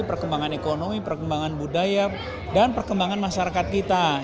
perkembangan ekonomi perkembangan budaya dan perkembangan masyarakat kita